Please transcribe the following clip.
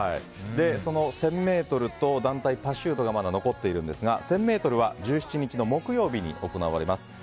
１０００ｍと団体パシュートがまだ残っているんですが１０００ｍは１７日の木曜日に行われます。